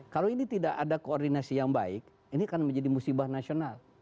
kalau ini tidak ada koordinasi yang baik ini akan menjadi musibah nasional